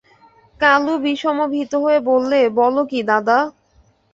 কালু বিষম ভীত হয়ে বললে, বল কী দাদা!